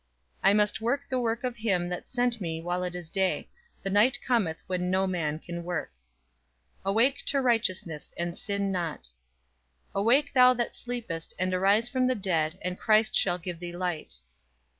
"I must work the work of him that sent me while it is day: the night cometh when no man can work." "Awake to righteousness and sin not." "Awake thou that sleepest, and arise from the dead, and Christ shall give thee light."